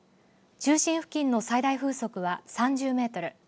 中心付近の最大風速は３０メートル。